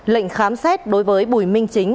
lệnh khám xét đối với bùi minh chính